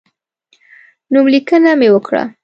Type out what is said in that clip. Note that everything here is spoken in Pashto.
نوملیکنه مې وکړه.